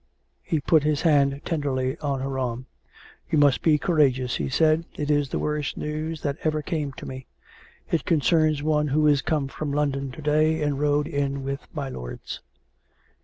He put his hand tenderly on her arm. " You must be courageous," he said. " It is the worst news that ever came to me. It concerns one who is come from London to day, and rode in with my lords."